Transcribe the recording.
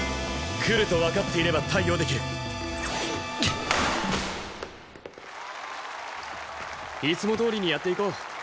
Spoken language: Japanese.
くるとわかっていれば対応できるいつもどおりにやっていこう。